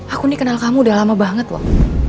aku ini kenal kamu udah lama banget wak